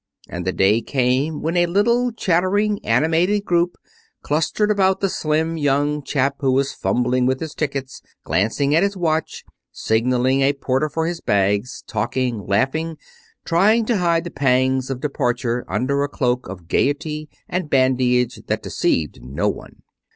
And the day came when a little, chattering, animated group clustered about the slim young chap who was fumbling with his tickets, glancing at his watch, signaling a porter for his bags, talking, laughing, trying to hide the pangs of departure under a cloak of gayety and badinage that deceived no one.